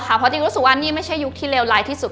เพราะจริงรู้สึกว่านี่ไม่ใช่ยุคที่เลวร้ายที่สุด